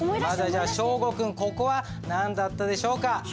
じゃあ祥伍君ここは何だったでしょうか？